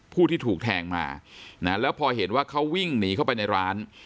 ผู้ที่ถูกแทงมานะแล้วพอเห็นว่าเขาวิ่งหนีเข้าไปในร้าน